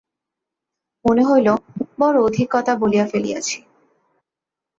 মনে হইল, বড় অধিক কথা বলিয়া ফেলিয়াছি।